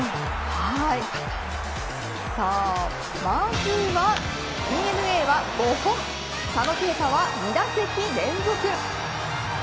さあまずはＤｅＮＡは５本佐野恵太は２打席連続。